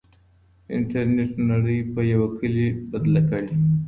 انټرنېټ نړۍ په يو کلي بدله کړې.